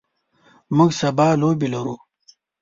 موږ سبا لوبې لرو.